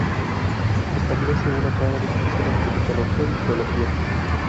Establece una clara distinción entre mitología y teología.